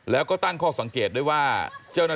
ถ้าเขาถูกจับคุณอย่าลืม